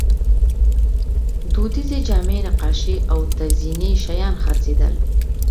دودیزې جامې، نقاشۍ او تزییني شیان خرڅېدل.